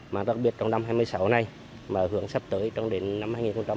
mà đặc biệt trong năm hai nghìn một mươi sáu này mà hướng sắp tới trong đến năm hai nghìn hai mươi